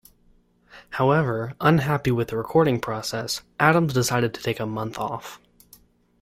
However, unhappy with the recording process, Adams decided to take a month off.